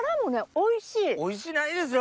おいしないですよ